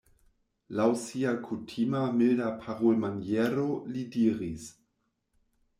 Laŭ sia kutima milda parolmaniero li diris: